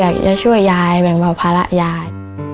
วันนี้ก็อยากช่วยยายแบ่งภาระยาย